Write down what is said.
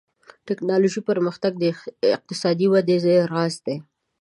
ټکنالوژي پرمختګ د اقتصادي ودې راز دی.